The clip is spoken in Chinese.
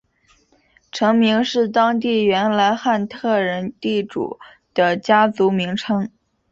城名是当地原来汉特人地主的家族名称。